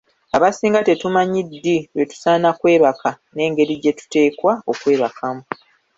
Abasinga tetumanyi ddi lwe tusaana kwebaka n’engeri gye tuteekwa okwebakamu.